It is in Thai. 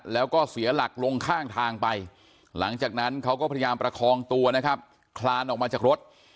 แล้วก็เสียหลักลงข้างทางไปหลังจากนั้นเขาก็พยายามประคองตัวนะครับคลานออกมาจากรถ